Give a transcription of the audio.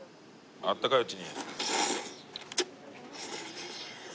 あったかいうちに。